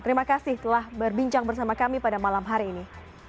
terima kasih telah berbincang bersama kami pada malam hari ini